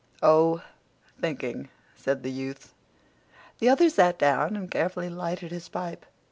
"Oh, thinking," said the youth. The other sat down and carefully lighted his pipe.